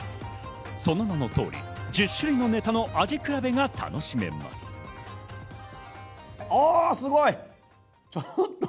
その名の通り、１０種類のネタの味比べが楽しめます。